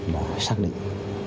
đã xác định